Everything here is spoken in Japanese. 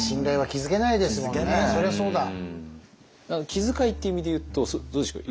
気遣いって意味でいうとどうでしょうか？